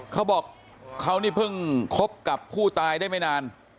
เขาบอกเขานี่เพิ่งคบกับผู้ตายได้ไม่นาน